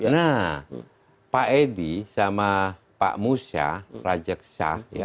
nah pak edi sama pak musya rajaksa